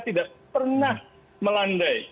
tidak pernah melandai